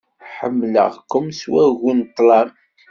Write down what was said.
Ḥemmleɣ-kem s wagu d ṭṭlam.